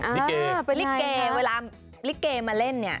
ลิเกเป็นลิเกเวลาลิเกมาเล่นเนี่ย